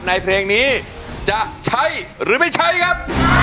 ในเพลงนี้จะใช้หรือไม่ใช้ครับ